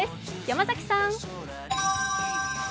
山崎さん。